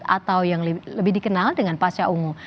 atau yang lebih dikenal dengan pasca ungu